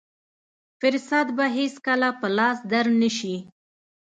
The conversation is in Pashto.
فرصت به هېڅکله په لاس در نه شي.